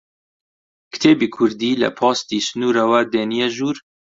کتێبی کوردی لە پۆستی سنوورەوە دێنیە ژوور؟